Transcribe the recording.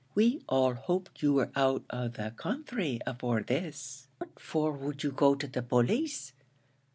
We all hoped you were out of the counthry afore this. What for would you go to the police?